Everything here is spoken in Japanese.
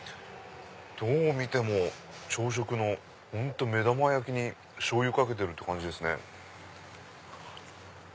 どう見ても朝食の目玉焼きにしょうゆかけるって感じですね。